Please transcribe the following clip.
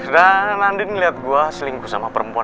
dan andin ngeliat gue selingkuh sama perempuan